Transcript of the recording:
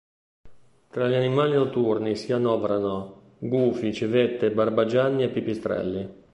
Tra gli animali notturni si annoverano: gufi, civette, barbagianni e pipistrelli.